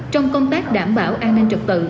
trong công tác đảm bảo an ninh trật tự